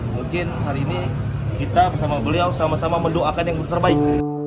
mungkin hari ini kita bersama beliau sama sama mendoakan yang terbaik